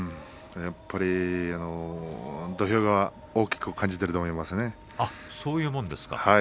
やっぱり土俵が大きくそういうものですか？